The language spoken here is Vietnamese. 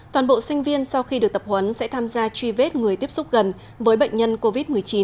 toàn bộ sinh viên sau khi được tập huấn sẽ tham gia truy vết người tiếp xúc gần với bệnh nhân covid một mươi chín